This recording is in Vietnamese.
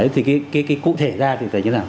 thì cái cụ thể ra thì phải như thế nào